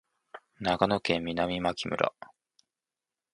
長野県南牧村